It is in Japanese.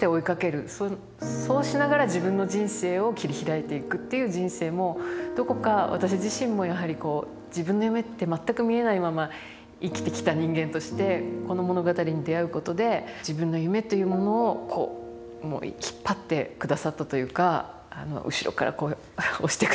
そうしながら自分の人生を切り開いていくっていう人生もどこか私自身もやはりこう自分の夢って全く見えないまま生きてきた人間としてこの物語に出会うことで自分の夢というものをこう引っ張ってくださったというか後ろからこう押してくださったというか。